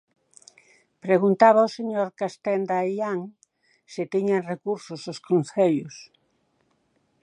Preguntaba o señor Castenda Aián se tiñan recursos os concellos.